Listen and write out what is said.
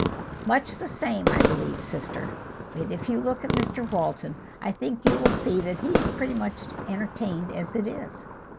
"Much the same, I believe, sister. But if you look at Mr Walton, I think you will see that he is pretty much entertained as it is."